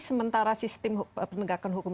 sementara sistem penegakan hukum